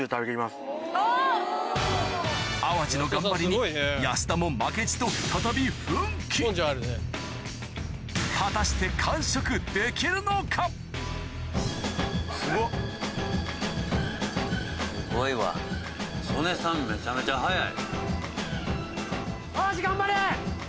淡路の頑張りに安田も負けじと果たして・すごっ・・すごいわ・・曽根さんめちゃめちゃ早い・・淡路頑張れ！